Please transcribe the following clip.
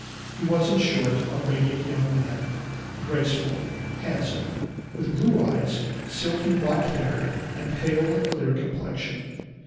He was in short a radiant young man, graceful, handsome, with blue eyes, silky black hair, and pale, clear complexion.